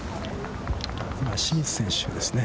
清水選手ですね。